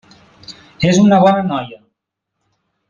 És una bona noia.